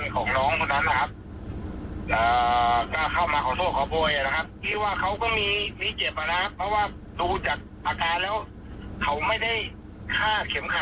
หลังดูจากหลังเขาเนี่ยช้ำว่าน่าแข้งเนื้อแตก